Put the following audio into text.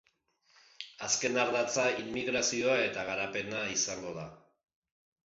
Azken ardatza immigrazioa eta garapena izango da.